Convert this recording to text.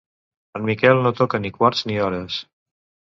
En Miquel no toca ni quarts ni hores.